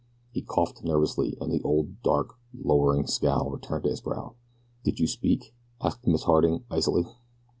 He coughed nervously, and the old dark, lowering scowl returned to his brow. "Did you speak?" asked Miss Harding, icily.